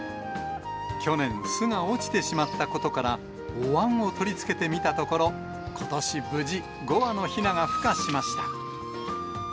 去年、巣が落ちてしまったことから、おわんを取り付けてみたところ、ことし、無事、５羽のひながふ化しました。